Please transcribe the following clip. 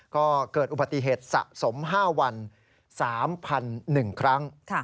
ก็เกิดอุบัติเหตุสะสม๕วัน๓๑ครั้ง